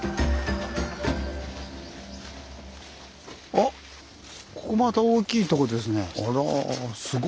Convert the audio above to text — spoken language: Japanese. あっここまた大きいとこですね。